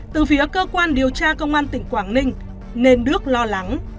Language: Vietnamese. từ phía cơ quan điều tra công an tỉnh quảng ninh nên đức lo lắng